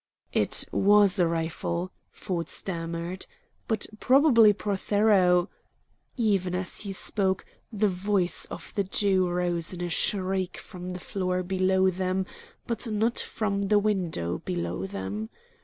"It was a rifle," Ford stammered, "but probably Prothero " Even as he spoke the voice of the Jew rose in a shriek from the floor below them, but not from the window below them.